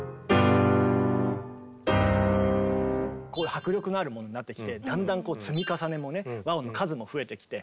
迫力のあるものになってきてだんだん積み重ねも和音の数も増えてきて。